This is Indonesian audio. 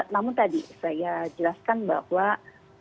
namun tadi saya jelaskan bahwa